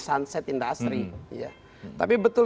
sunset industry tapi betul